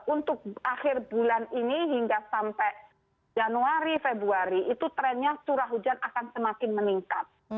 untuk akhir bulan ini hingga sampai januari februari itu trennya curah hujan akan semakin meningkat